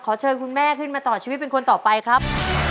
เชิญคุณแม่ขึ้นมาต่อชีวิตเป็นคนต่อไปครับ